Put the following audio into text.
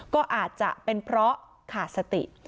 ก็อาจจะเป็นเพราะขาดสติ